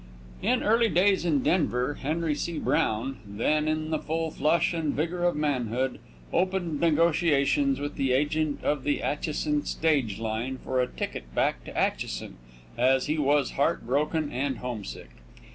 In early days in Denver, Henry C. Brown, then in the full flush and vigor of manhood, opened negotiations with the agent of the Atchison stage line for a ticket back to Atchison, as he was heart broken and homesick.